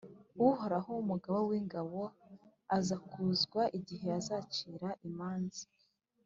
Uhoraho, Umugaba w’ingabo, azakuzwa igihe azacira imanza,